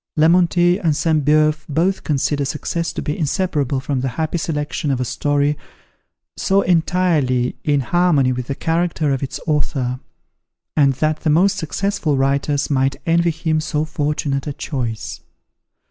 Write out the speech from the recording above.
Lemontey and Sainte Beuve both consider success to be inseparable from the happy selection of a story so entirely in harmony with the character of the author; and that the most successful writers might envy him so fortunate a choice.